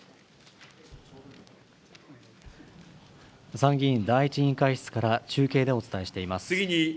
参議院第１委員会室から中継でお伝えしています。